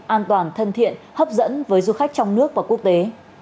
an toàn thân thiện hấp dẫn với du khách trong nước và quốc tế